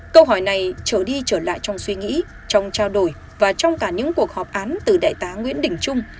câu hỏi này trở đi trở lại trong suy nghĩ trong trao đổi và trong cả những cuộc họp án từ đại tá nguyễn đình trung